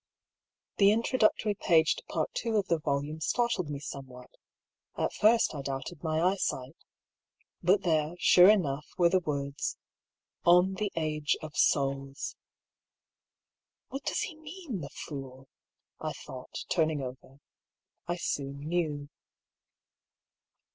The introductory page to Part II. of the volume startled me somewhat. At first I doubted my eyesight. But there, sure enough, were the words — "ON THE AGE OF SOULS." " What does he mean, the fool ?" I thought, turning over. I soon knew.